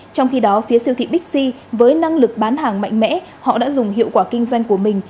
trong khi đó phía siêu thị bixi với năng lực bán hàng mạnh mẽ họ đã dùng hiệu quả kinh doanh của mình